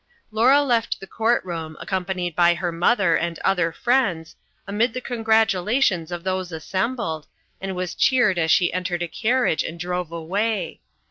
Laura left the court room, accompanied by her mother and other friends, amid the congratulations of those assembled, and was cheered as she entered a carriage, and drove away.